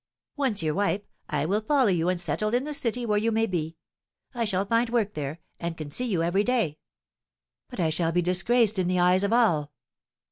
"Once your wife, I will follow you and settle in the city where you may be. I shall find work there, and can see you every day." "But I shall be disgraced in the eyes of all."